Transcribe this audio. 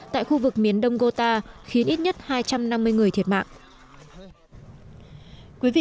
tại khu vực miền đông gota khiến ít nhất hai trăm năm mươi người thiệt mạng